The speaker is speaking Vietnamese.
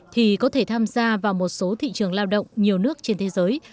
thì có thể tham gia vào một số thị trường lao động nhiều nước trên thế giới